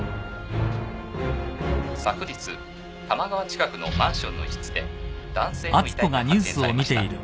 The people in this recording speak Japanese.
昨日多摩川近くのマンションの一室で男性の遺体が発見されました。